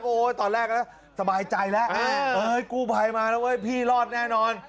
ก็โอเว่ยตอนแรกสบายใจแล้วอ๋อกู้ไพรมาแล้วไว้พี่รอดแน่นอน